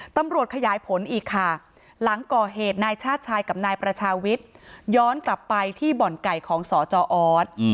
ตำรวจขยายผลอีกค่ะหลังก่อเหตุนายชาติชายกับนายประชาวิทย์ย้อนกลับไปที่บ่อนไก่ของสจออส